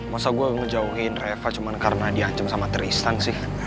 masa gue ngejauhin reva cuman karena di ancem sama tristan sih